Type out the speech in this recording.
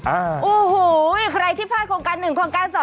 โอ้โหใครที่พลาดโครงการ๑โครงการ๒